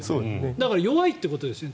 だから弱いということですよね。